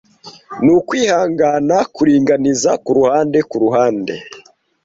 Nukwihangana kuringaniza kuruhande kuruhande